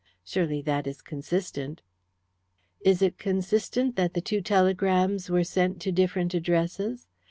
Surely that is consistent?" "Is it consistent that the two telegrams were sent to different addresses?